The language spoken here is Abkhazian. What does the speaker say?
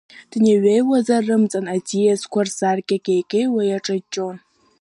Днеиҩеиуазар рымҵан, аӡиасқәа рсаркьа кеикеиуа иҿаҷҷон.